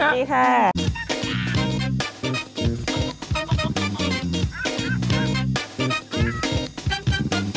เวลาหมดแล้วนี่